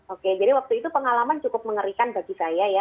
oke jadi waktu itu pengalaman cukup mengerikan bagi saya ya